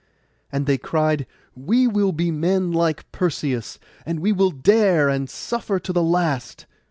And they cried, 'We will be men like Perseus, and we will dare and suffer to the last.